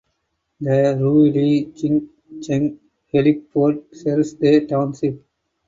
The Ruili Jingcheng Heliport serves the township.